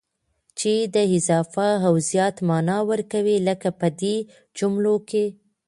چي د اضافه او زيات مانا ور کوي، لکه په دې جملو کي: